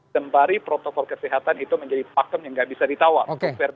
sembari protokol kesehatan itu menjadi pakem yang nggak bisa ditawar